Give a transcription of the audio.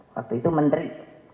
waktu itu menteri